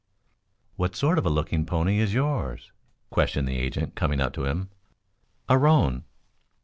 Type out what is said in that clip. "What sort of a looking pony is yours?" questioned the agent, coming up to him. "A roan."